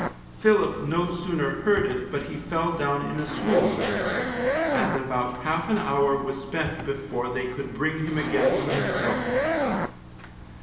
Philip no sooner heard it but he fell down in a swoon, and about half an hour was spent before they could bring him again to himself.